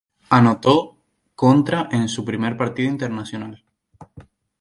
Anotó contra en su primer partido internacional.